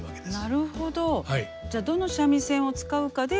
なるほど。